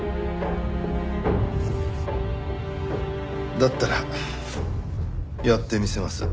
だったらやってみせます。